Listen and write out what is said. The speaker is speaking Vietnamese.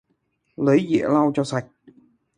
Lẩy giẻ lau cho sạch